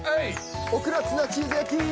オクラツナチーズ焼き。